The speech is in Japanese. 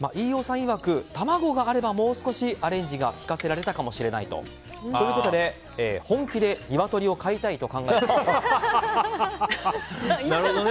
いわく卵があればもう少しアレンジが効かせられたかもしれないと。ということで本気でニワトリを飼いたいとなるほどね。